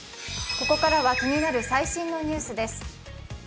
ここからは気になる最新のニュースです。